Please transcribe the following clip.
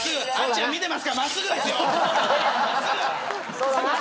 そうだな。